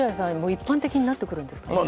一般的になってくるんですかね。